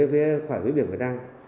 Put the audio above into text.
phía khỏi biển việt nam